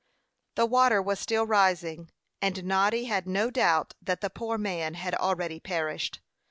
The water was still rising, and Noddy had no doubt that the poor man had already perished.